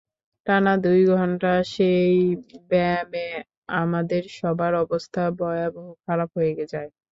টানা দুই ঘণ্টা সেই ব্যায়ামে আমাদের সবার অবস্থা ভয়াবহ খারাপ হয়ে যায়।